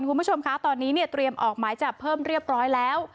ทุกคุณผู้ชมคะตอนนี้เตรียมออกไม้จะเพิ่มเรียบร้อยแล้ว